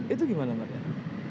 itu gimana mbak